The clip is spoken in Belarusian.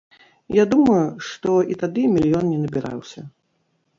Я думаю, што і тады мільён не набіраўся.